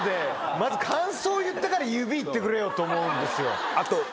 まず感想を言ってから指いってくれよと思うんですよ。